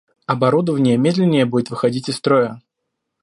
Оборудование медленнее будет выходить из строя